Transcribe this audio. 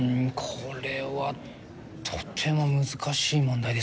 これはとても難しい問題ですね。